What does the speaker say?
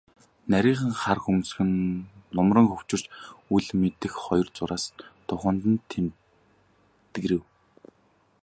Нарийхан хар хөмсөг нь нумран хөвчилж, үл мэдэг хоёр зураас духанд нь тэмдгэрэв.